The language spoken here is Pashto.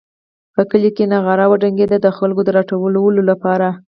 په کلي کې نغاره وډنګېده د خلکو د راټولولو لپاره.